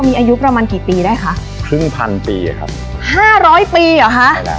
มีอายุประมาณกี่ปีได้คะครึ่งพันปีอะครับห้าร้อยปีเหรอคะ